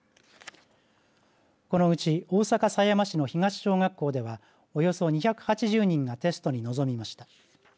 このうち大阪狭山市の東小学校ではおよそ２８０人がテストに臨みました。